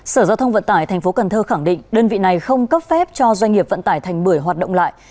sở giao thông vận tải tp cần thơ khẳng định đơn vị này không cấp phép cho doanh nghiệp vận tải thành bưởi hoạt động lại